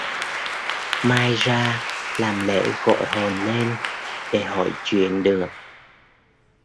mai ra làm lễ gọi hồn lên để hỏi chuyện được